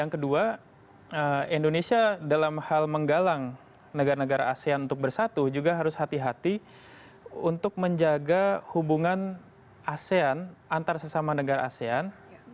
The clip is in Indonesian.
yang kedua indonesia dalam hal menggalang negara negara asean untuk bersatu juga harus hati hati untuk menjaga hubungan asean antar sesama negara asean